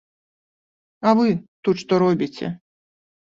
А вы тут што робіце?